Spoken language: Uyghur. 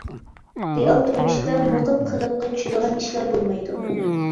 رېئال تۇرمۇشتا مۇقىم قېلىپقا چۈشىدىغان ئىشلار بولمايدۇ.